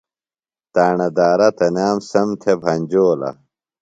تاݨہ دارہ تنام سم تھےۡ بھنجولہ۔